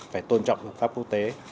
phải tôn trọng luật pháp quốc tế